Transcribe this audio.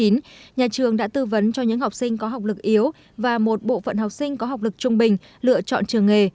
nhà trường đã tư vấn cho những học sinh có học lực yếu và một bộ phận học sinh có học lực trung bình lựa chọn trường nghề